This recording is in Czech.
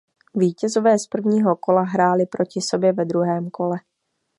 Vítězové z prvního kola hráli proti sobě ve druhém kole.